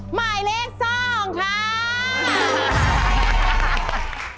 หมายเลข๒ค่ะ